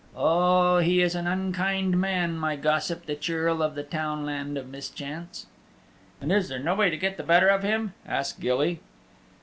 Oh, he is an unkind man, my gossip, the Churl of the Townland of Mischance." "And is there no way to get the better of him?" asked Gilly.